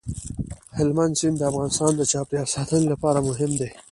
هلمند سیند د افغانستان د چاپیریال ساتنې لپاره مهم دي.